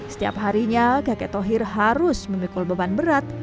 setiap harinya kakek tohir harus memikul beban berat